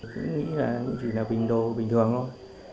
cũng nghĩ là những gì là bình đồ bình thường thôi